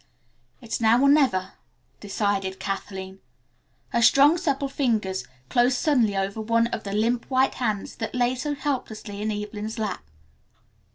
"It's now or never," decided Kathleen. Her strong supple fingers closed suddenly over one of the limp white hands that lay so helplessly in Evelyn's lap.